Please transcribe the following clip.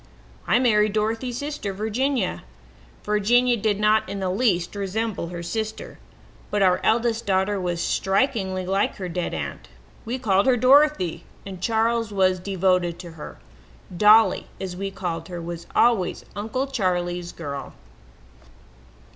"I married Dorothy's sister, Virginia. Virginia did not in the least resemble her sister, but our eldest daughter was strikingly like her dead aunt. We called her Dorothy, and Charles was devoted to her. Dolly, as we called her, was always 'Uncle Charley's girl.'